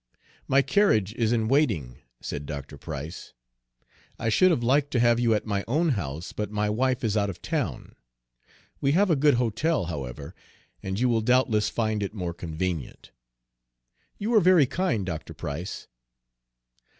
"My carriage is in waiting," said Dr. Price. "I should have liked to have you at my own house, but my wife is out of town. We have a good hotel, however, and you will doubtless find it more convenient." "You are very kind, Dr. Price.